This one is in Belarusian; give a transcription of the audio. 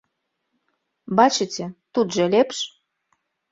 Бачыце, тут жа лепш?